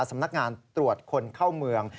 สำนักงานตรวจคนเข้าเมือง